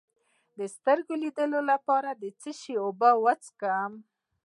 د سترګو د لید لپاره د څه شي اوبه وڅښم؟